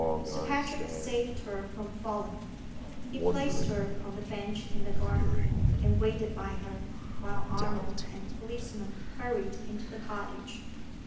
Sir Patrick saved her from falling. He placed her on the bench in the garden, and waited by her, while Arnold and the policeman hurried into the cottage.